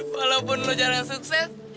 walaupun lo jarang sukses